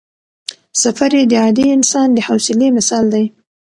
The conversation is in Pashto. سفر یې د عادي انسان د حوصلې مثال دی.